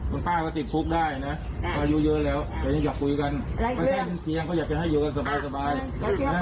คุณป้าก็ติดคุกได้นะอายุเยอะแล้วแต่ยังอยากคุยกัน